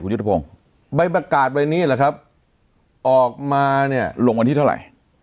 ยุทธพงศ์ใบประกาศใบนี้แหละครับออกมาเนี่ยลงวันที่เท่าไหร่